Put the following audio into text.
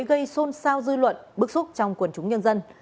gây xôn xao dư luận bức xúc trong quần chúng nhân dân